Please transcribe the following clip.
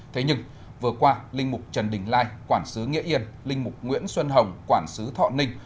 thế nhưng vừa qua linh mục trần đình lai quản sứ nghĩa yên linh mục nguyễn xuân hồng quản sứ thọ ninh